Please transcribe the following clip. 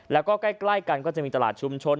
แล้วก็ใกล้กันก็จะมีตลาดชุมชน